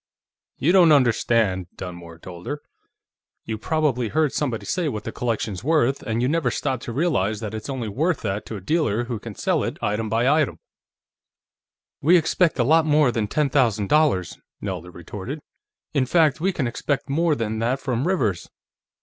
"You don't understand," Dunmore told her. "You've probably heard somebody say what the collection's worth, and you never stopped to realize that it's only worth that to a dealer, who can sell it item by item. You can't expect ..." "We can expect a lot more than ten thousand dollars," Nelda retorted. "In fact, we can expect more than that from Rivers.